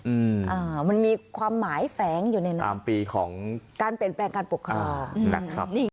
อ่ามันมีความหมายแฝงอยู่ในนั้นตามปีของการเปลี่ยนแปลงการปกครองนะครับนี่